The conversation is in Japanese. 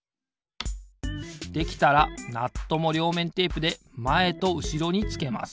できたらナットもりょうめんテープでまえとうしろにつけます。